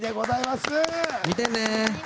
見てね！